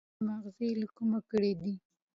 بېله لیکلي مأخذه له کومه کړي دي.